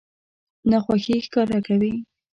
ناخوښي ښکاره کوي.